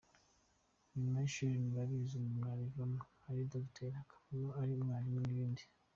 Nyuma y’ishuri murabizi umuntu arivamo ari ’Docteur’, akavamo ari umwarimu n’ibindi.